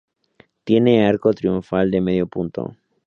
Tiene arco triunfal de medio punto.